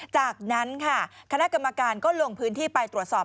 จากนั้นค่ะคณะกรรมการก็ลงพื้นที่ไปตรวจสอบ